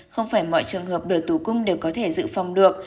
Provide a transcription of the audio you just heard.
không phải mọi trường hợp đồ tử cung đều có thể giữ phòng được